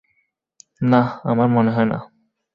না, আমার মনে হয় না।